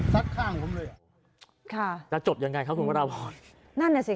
สัดข้างผมเลยค่ะจะจบอย่างไรครับคุณพระราบพรนั่นแหละสิค่ะ